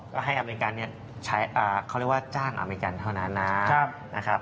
ก็ให้อเมริกันเนี่ยใช้เขาเรียกว่าจ้างอเมริกันเท่านั้นนะครับ